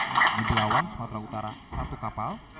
di pulau wan sumatera utara satu kapal